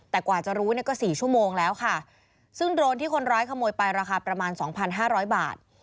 แต่กว่าจะรู้ก็๔ชั่วโมงแล้วค่ะซึ่งโดรนที่คนร้ายขโมยไปราคาประมาณ๒๕๐๐บาท